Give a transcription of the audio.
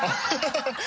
ハハハ